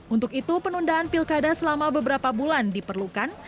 untuk itu penundaan pilkada selama beberapa bulan diperlukan